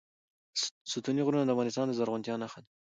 ستوني غرونه د افغانستان د زرغونتیا نښه ده.